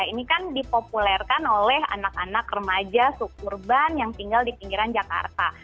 ini kan dipopulerkan oleh anak anak remaja suburban yang tinggal di pinggiran jakarta